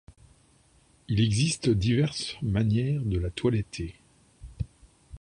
Il existe diverses manières de la toiletter.